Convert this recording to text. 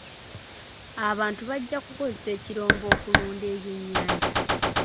Abantu bajja kukozesa ekirombe okulunda ebyennyanja.